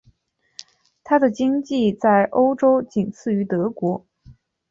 她的经济在欧洲仅次于德国。